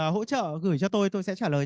hỗ trợ gửi cho tôi tôi sẽ trả lời